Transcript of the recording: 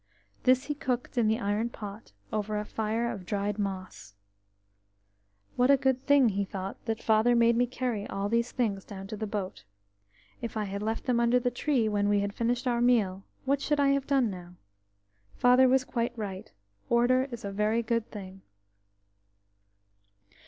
This he cooked in the iron pot over a fire of dried moss. "What a good thing," he thought, "that Father made me carry all these things down to the boat. If I had left them under the tree when we had finished our meal, what should I have done now? Father was quite right; order is a very good thing."